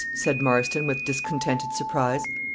said Marston, with discontented surprise.